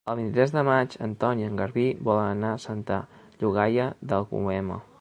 El vint-i-tres de maig en Ton i en Garbí volen anar a Santa Llogaia d'Àlguema.